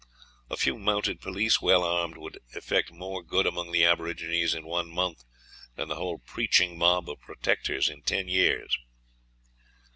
a few mounted police, well armed, would effect more good among the aborigines in one month than the whole preaching mob of protectors in ten years."